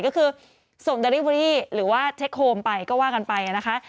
ก็คือส่งเดอริเวอรี่หรือว่าเช็คโฮมไปก็ว่ากันไปนะคะ